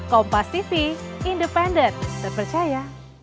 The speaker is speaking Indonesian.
kompas tv independen terpercaya